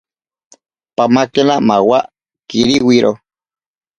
Pamakena mawa kiriwiro.